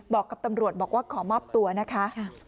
บอกกับตำรวจบอกว่าขอมอบตัวนะคะ